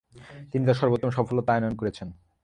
তিনি তার সর্বোত্তম সফলতা আনয়ণ করেছেন।